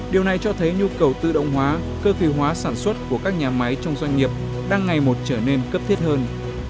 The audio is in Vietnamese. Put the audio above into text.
điều này cho thấy nhu cầu tự động hóa cơ khí hóa sản xuất của các nhà máy trong doanh nghiệp đang ngày một trở nên cấp thiết hơn